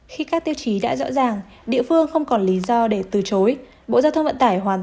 khi các tiêu chí đã rõ ràng địa phương không còn lý do để từ chối bộ giao thông vận tải hoàn